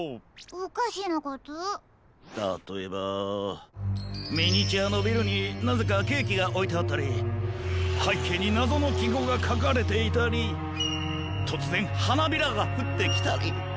たとえばミニチュアのビルになぜかケーキがおいてあったりはいけいになぞのきごうがかかれていたりとつぜんはなびらがふってきたり。